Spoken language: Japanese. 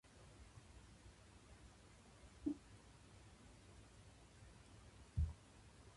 消防署